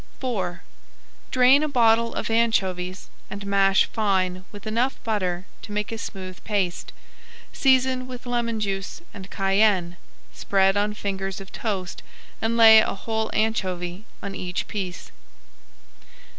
IV Drain a bottle of anchovies and mash fine with enough butter to make a smooth paste. Season with lemon juice and cayenne. Spread [Page 42] on fingers of toast and lay a whole anchovy on each piece.